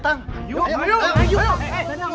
tangan yuk yuk yuk